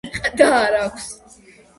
ყდა არ აქვს.